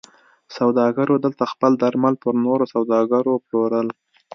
سوداګرو دلته خپل درمل پر نورو سوداګرو پلورل.